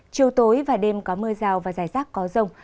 chiều tối và đêm có mưa rào và rải rác có rông